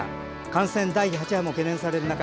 感染第８波も懸念される中